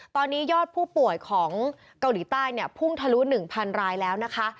ตอนนี้ยอดผู้ป่วยของเกาหลีใต้เนี่ยพุ่งทะลุ๑๐๐รายแล้วนะคะ